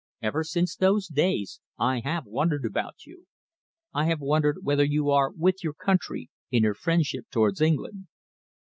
Ever since those days I have wondered about you. I have wondered whether you are with your country in her friendship towards England."